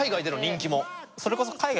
それこそ海外